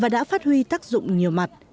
đã phát huy tác dụng nhiều mặt